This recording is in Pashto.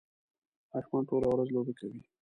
ماشومان ټوله ورځ لوبې کوي